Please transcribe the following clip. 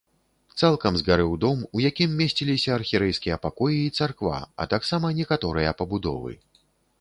Цалкам згарэў дом, у якім месціліся архірэйскія пакоі і царква, а таксама некаторыя пабудовы.